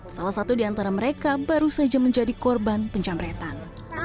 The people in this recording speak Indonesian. salah satu di antara mereka baru saja menjadi korban penjamretan